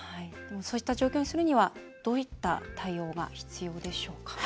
そういった状況にするにはどういった対応が必要でしょうか。